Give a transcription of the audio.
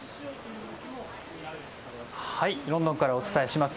ロンドンからお伝えします。